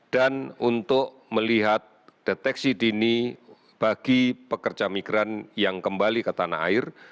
dan untuk melihat deteksi dini bagi pekerja migran yang kembali ke tanah air